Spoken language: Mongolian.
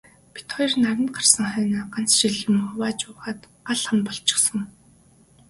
Бид хоёр наранд гарсан хойноо ганц шил юм хувааж уугаад гал хам болчихсон.